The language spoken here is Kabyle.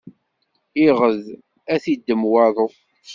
Iɣed, ad t-iddem waḍu.